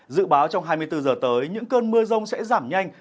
dự báo trong hai mươi bốn giờ tới những cơn mưa rông sẽ giảm nhanh